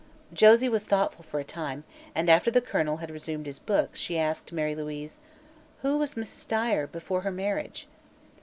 Josie was thoughtful for a time, and after the colonel had resumed his book, she asked Mary Louise: "Who was Mrs. Dyer, before her marriage?"